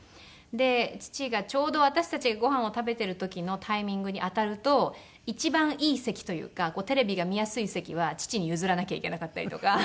で父がちょうど私たちがご飯を食べている時のタイミングに当たると一番いい席というかテレビが見やすい席は父に譲らなきゃいけなかったりとか。